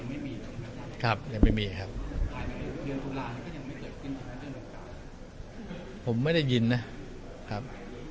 ไม่ทราบยังไม่มีผมไม่ได้ยินนะครับ